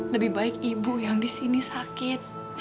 lebih baik ibu yang disini sakit